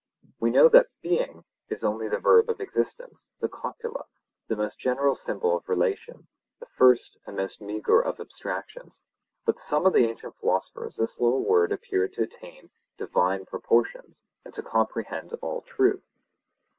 We know that 'being' is only the verb of existence, the copula, the most general symbol of relation, the first and most meagre of abstractions; but to some of the ancient philosophers this little word appeared to attain divine proportions, and to comprehend all truth.